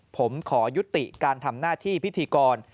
ผมขอยุติการทำหน้าที่พิธีกร